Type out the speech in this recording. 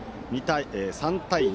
３対２。